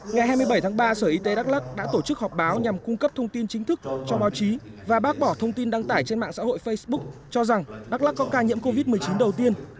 ngày hai mươi bảy tháng ba sở y tế đắk lắc đã tổ chức họp báo nhằm cung cấp thông tin chính thức cho báo chí và bác bỏ thông tin đăng tải trên mạng xã hội facebook cho rằng đắk lắc có ca nhiễm covid một mươi chín đầu tiên